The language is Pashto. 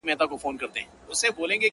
په غیرت مو لاندي کړي وه ملکونه،